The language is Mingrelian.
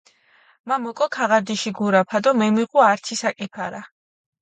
მა მოკო ქაღარდიში გურაფა დო მემიღუ ართი საკი ფარა.